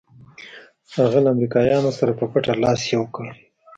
هغه له امریکایانو سره په پټه لاس یو کړ.